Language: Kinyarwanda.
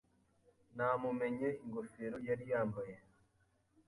Namumenye ingofero yari yambaye.